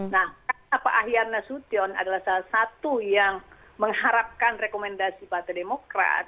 nah karena pak ahyar nasution adalah salah satu yang mengharapkan rekomendasi partai demokrat